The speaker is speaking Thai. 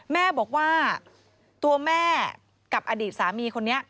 แม่บอกว่าตัวแม่กับอดีตสามีคนนี้